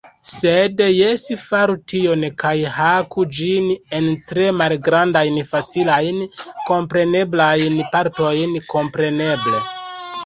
Sed jes faru tion kaj haku ĝin en tre malgrandajn facilajn, kompreneblajn partojn. Kompreneble.